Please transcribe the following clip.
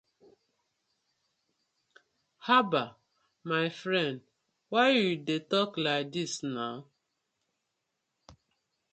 Habbah my friend why yu dey tok like dis na.